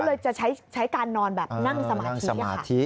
เลยจะใช้การนอนแบบนั่งสมาธิค่ะ